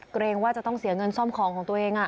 เกรงว่าจะต้องเสียเงินซ่อมของของตัวเอง